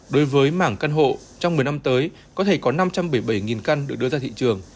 đối với mảng căn hộ trong một mươi năm tới có thể có năm trăm bảy mươi bảy căn được đưa ra thị trường